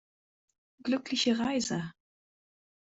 Glückliche Reise!